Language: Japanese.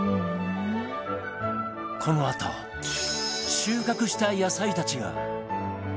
このあと収穫した野菜たちが